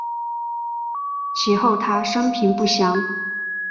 其后他生平不详。